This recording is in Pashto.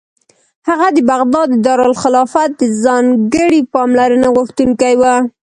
هغه د بغداد د دارالخلافت د ځانګړې پاملرنې غوښتونکی و.